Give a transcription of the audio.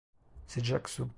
Sıcak su.